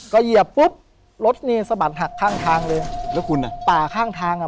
ก็เหยียบปุ๊บรถเนรสะบัดหักข้างทางเลยแล้วคุณอ่ะป่าข้างทางอ่ะ